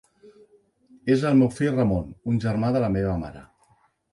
És el meu fill Ramon, un germà de la meva mare.